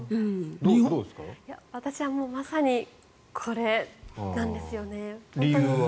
私はまさにこれなんですよね。